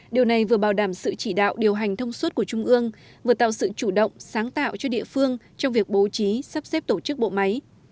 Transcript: điều này vừa bảo đảm sự chỉ đạo điều hành thông suốt của trung ương vừa tạo sự chủ động sáng tạo cho địa phương trong việc bố trí sắp xếp tổ chức bộ máy